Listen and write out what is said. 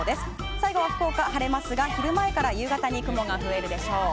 最後は福岡、晴れますが昼前から夕方に雲が増えるでしょう。